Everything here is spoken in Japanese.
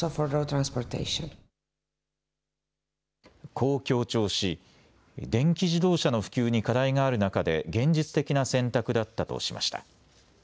こう強調し、電気自動車の普及に課題がある中で現実的な選択だったとしました。